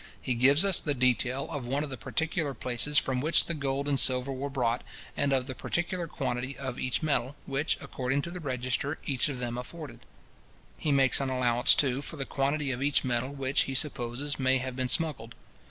He gives us the detail of the particular places from which the gold and silver were brought, and of the particular quantity of each metal, which, according to the register, each of them afforded. He makes an allowance, too, for the quantity of each metal which, he supposes, may have been smuggled.